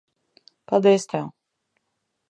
Paldies tev.